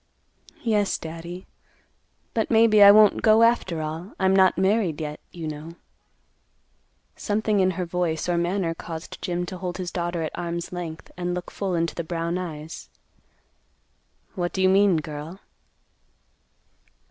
"Yes, Daddy; but maybe I won't go after all. I'm not married, yet, you know." Something in her voice or manner caused Jim to hold his daughter at arm's length, and look full into the brown eyes; "What do you mean, girl?"